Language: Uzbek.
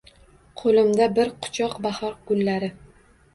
Qo’limda bir quchoq bahor gullari.